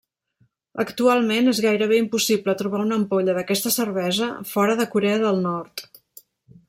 Actualment, és gairebé impossible trobar una ampolla d'aquesta cervesa fora de Corea del Nord.